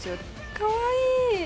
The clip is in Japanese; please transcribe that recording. かわいい。